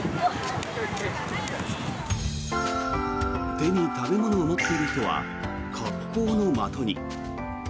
手に食べ物を持っている人は格好の的に。